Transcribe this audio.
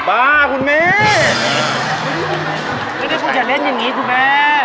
อันนี้คืออย่าเล่นอย่างนี้คุณเม่